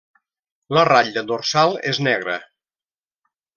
La ratlla dorsal és negra.